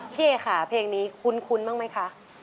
พี่เอ๋ค่ะเพลงนี้คุ้นบ้างไหมคะ